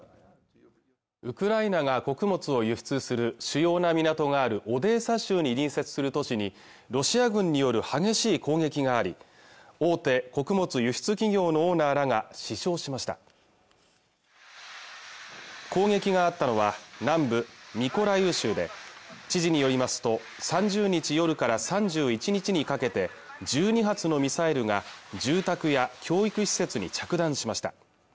ウクライナが穀物を輸出する主要な港があるオデーサ州に隣接する都市にロシア軍による激しい攻撃があり大手穀物輸出企業のオーナーらが死傷しました攻撃があったのは南部ミコライウ州で知人によりますと３０日夜から３１日にかけて１２発のミサイルが住宅や教育施設に着弾しました